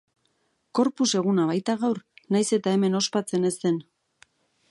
Corpus eguna baita gaur, nahiz eta hemen ospatzen ez den.